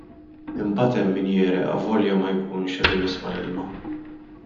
Imbagħad hemm min jegħreq avolja ma jkunx qed imiss mal-ilma.